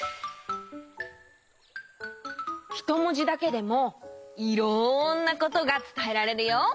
ひともじだけでもいろんなことがつたえられるよ。